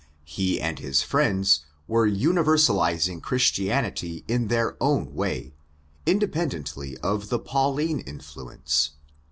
He and his friends were universalising Christianity in their own way, independently of the Pauline influence.